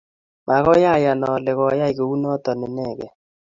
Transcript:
Makoy ayan ale koiyai kounotok inyegei.